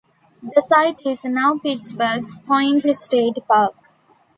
The site is now Pittsburgh's Point State Park.